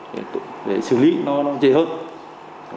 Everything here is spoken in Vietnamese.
về việc xử lý hình ảnh